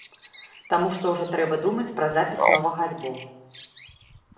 Таму што ўжо трэба думаць пра запіс новага альбому.